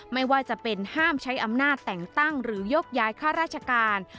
ไม่ว่าจะเป็นห้ามใช้อำนาจแต่งตั้งหรือยกย้ายค่าราชการ